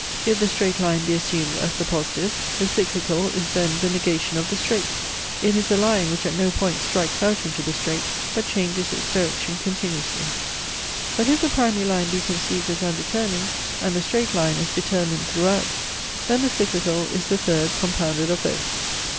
If the straight line be assumed as the positive, the cyclical is then the negation of the straight. It is a line, which at no point strikes out into the straight, but changes its direction continuously. But if the primary line be conceived as undetermined, and the straight line as determined throughout, then the cyclical is the third compounded of both.